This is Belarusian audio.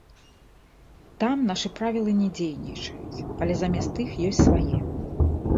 Там нашы правілы не дзейнічаюць, але замест іх ёсць свае.